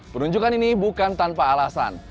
penunjukan ini bukan tanpa alasan